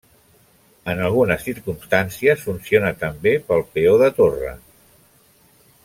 En algunes circumstàncies, funciona també pel peó de torre.